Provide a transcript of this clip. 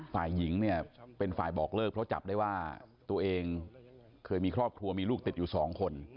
ฝ่ายหญิงเนี่ยเป็นฝ่ายบอกเลิกเพราะจับได้ว่าตัวเองเคยมีครอบครัวมีลูกติดอยู่สองคน